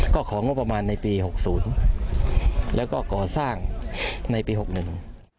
ก็ของงบประมาณในปีหกศูนย์แล้วก็ก่อสร้างในปีหกหนึ่ง